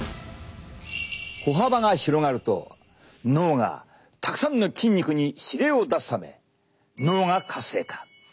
歩幅が広がると脳がたくさんの筋肉に指令を出すため脳が活性化。